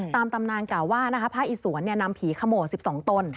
ตามตำนานกล่าวว่าพระอิสวนเนี่ยนำผีขโมด๑๒ต้น